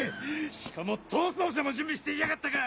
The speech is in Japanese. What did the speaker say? しかも逃走車も準備していやがったか！